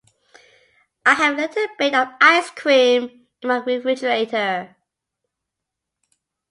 I have a little bit of ice cream in my refrigerator.